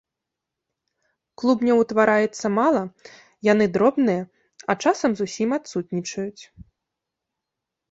Клубняў утвараецца мала, яны дробныя, а часам зусім адсутнічаюць.